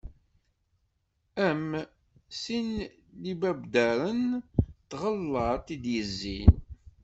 Am: sin n yibabdaren, d tɣalaṭ i d-yezzin.